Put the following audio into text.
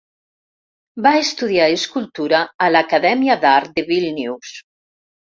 Va estudiar escultura a l'Acadèmia d'Art de Vílnius.